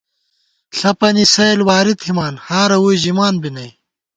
ݪَپَنی سَئیل واری تھِمان ، ہارہ ووئی ژِمان بی نئ